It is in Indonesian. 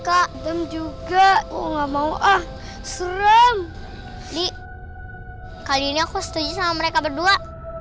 kak juga enggak mau ah serem di kali ini aku setuju sama mereka berdua